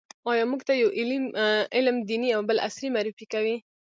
اما موږ ته يو علم دیني او بل عصري معرفي کوي.